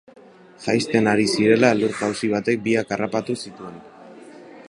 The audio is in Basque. Jaisten ari zirela, elur-jausi batek biak harrapatu zituen.